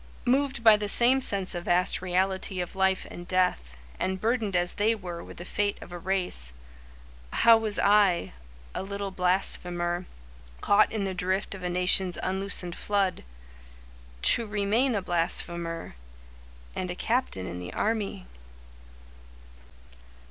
Moved by the same sense of vast reality Of life and death, and burdened as they were With the fate of a race, How was I, a little blasphemer, Caught in the drift of a nation's unloosened flood, To remain a blasphemer, And a captain in the army?